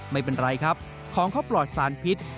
ไม่เป็นไรครับของเขาปลอดสารพิษ